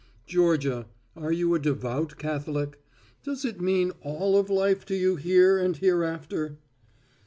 "Georgia, are you a devout Catholic? Does it mean all of life to you here and hereafter?"